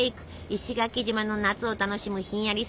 石垣島の夏を楽しむひんやり